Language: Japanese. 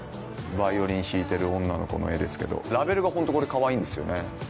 バイオリン弾いてる女の子の絵ですけどラベルがホントこれかわいいんですよね。